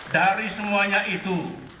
dari semuanya itu